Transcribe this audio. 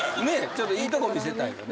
ちょっといいとこ見せたいよね